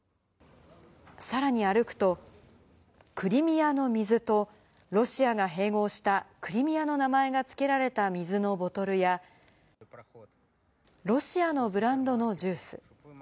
さらに歩くと、クリミアの水と、ロシアが併合したクリミアの名前が付けられた水のボトルや、ロシアのブランドのジュース。